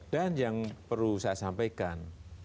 dan yang perlu saya sampaikan